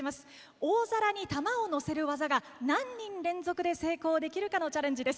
大皿に玉を乗せる技が何人連続で成功できるかのチャレンジです。